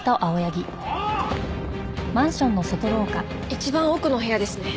一番奥の部屋ですね。